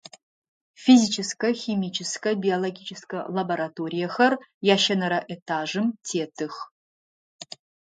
Физическэ, химическэ, биологическэ лабораториехэр ящэнэрэ этажым тетых.